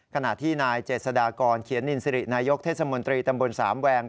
ขณะที่นายเจษฎากรเขียนนินสิรินายกเทศมนตรีตำบลสามแวง